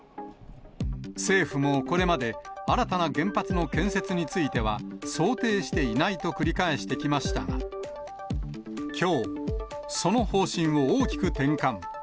政府もこれまで、新たな原発の建設については、想定していないと繰り返してきましたが、きょう、その方針を大きく転換。